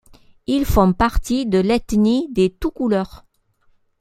Ils font partie de l'ethnie des Toucouleurs.